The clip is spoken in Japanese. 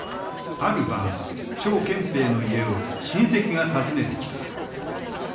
ある晩張建平の家を親戚が訪ねてきた。